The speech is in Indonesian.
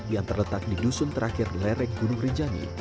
yang terletak di dusun terakhir lereng gunung rinjani